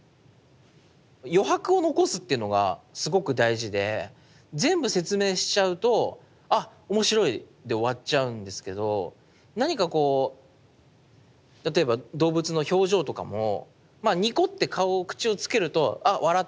余白を残すっていうのがすごく大事で全部説明しちゃうとあっ面白いで終わっちゃうんですけど何かこう例えば動物の表情とかもまあニコッて顔を口をつけるとあ笑ってるって分かるんだけども